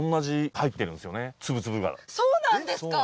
そうなんですか！？